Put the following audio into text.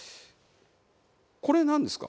これなんですか？